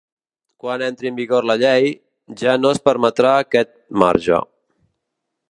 Quan entri en vigor la llei, ja no es permetrà aquest marge.